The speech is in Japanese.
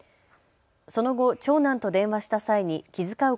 その後、長男と電話した際に気遣う